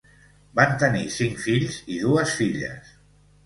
Van tenir cinc fills i dues filles.